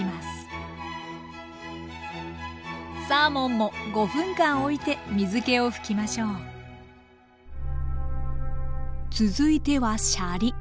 サーモンも５分間おいて水けを拭きましょう続いてはシャリ。